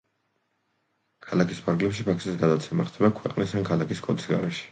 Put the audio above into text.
ქალაქის ფარგლებში ფაქსის გადაცემა ხდება ქვეყნის ან ქალაქის კოდის გარეშე.